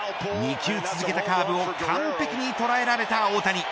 ２球続けたカーブを完ぺきに捉えられた大谷。